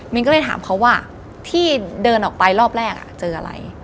มีก็เลยถามเขาว่าที่เดินออกไปรอบแรกเจออะไร